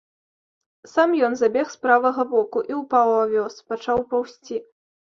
Сам ён забег з правага боку і ўпаў у авёс, пачаў паўзці.